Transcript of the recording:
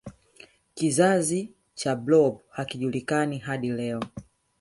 kizazi cha blob hakijulikani hadi leo